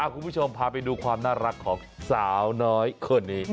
คุณผู้ชมพาไปดูความน่ารักของสาวน้อยคนนี้